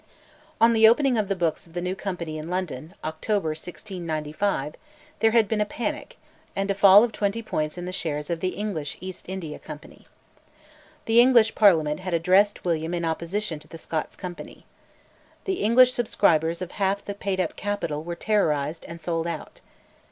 On the opening of the books of the new company in London (October 1695) there had been a panic, and a fall of twenty points in the shares of the English East India Company. The English Parliament had addressed William in opposition to the Scots Company. The English subscribers of half the paid up capital were terrorised, and sold out.